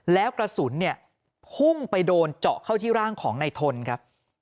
แล้วกระสุนเนี่ยพุ่งไปโดนเจาะเข้าที่ร่างของนายทนครับ